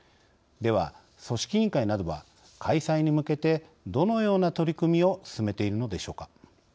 では、組織委員会などは開催に向けてどのような取り組みを進めているのでしょうか。